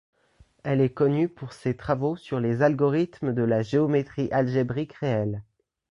Elle est connue pour ses travaux sur les algorithmes de la géométrie algébrique réelle.